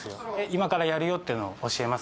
今からやるよというのを教えます。